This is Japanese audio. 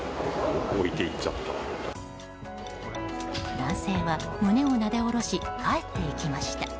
男性は胸をなでおろし帰っていきました。